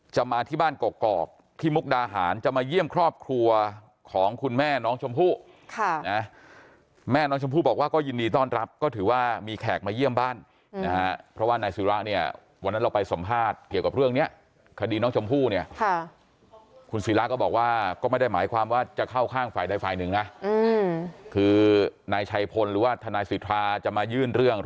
มาที่บ้านกอกที่มุกดาหารจะมาเยี่ยมครอบครัวของคุณแม่น้องชมพู่ค่ะนะแม่น้องชมพู่บอกว่าก็ยินดีต้อนรับก็ถือว่ามีแขกมาเยี่ยมบ้านนะฮะเพราะว่านายศิระเนี่ยวันนั้นเราไปสัมภาษณ์เกี่ยวกับเรื่องเนี้ยคดีน้องชมพู่เนี่ยค่ะคุณศิราก็บอกว่าก็ไม่ได้หมายความว่าจะเข้าข้างฝ่ายใดฝ่ายหนึ่งนะคือนายชัยพลหรือว่าทนายสิทธาจะมายื่นเรื่อง